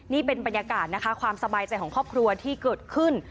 นี่เป็นบรรยากาศนะคะความสบายใจของครอบครัวที่เกิดขึ้น